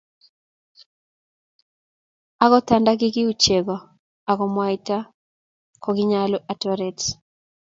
Akut anda kikiu chego ako mwaita kokinyolu atoret.